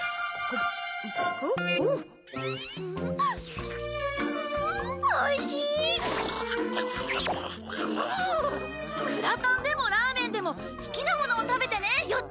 グラタンでもラーメンでも好きな物を食べてねよっ